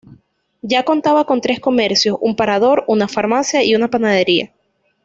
Ya contaba con tres comercios: un parador, una farmacia y una panadería.